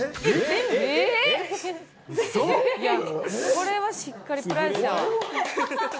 これはしっかりプライスやわ。